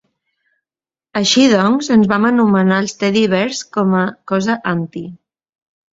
Així doncs, ens vam anomenar els Teddybears com a cosa "anti".